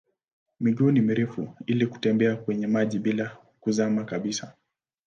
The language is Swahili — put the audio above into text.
Miguu ni mirefu ili kutembea kwenye maji bila kuzama kabisa.